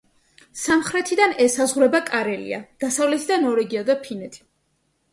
სამხრეთიდან ესაზღვრება კარელია, დასავლეთიდან ნორვეგია და ფინეთი.